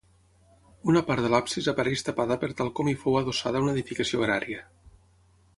Una part de l'absis apareix tapada per tal com hi fou adossada una edificació agrària.